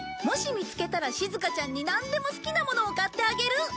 もし見つけたらしずかちゃんになんでも好きなものを買ってあげる！